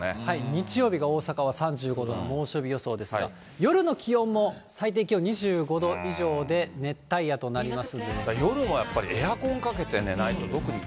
日曜日が大阪は３５度の猛暑日予想ですが、夜の気温も最低気温２５度以上で熱帯夜となります。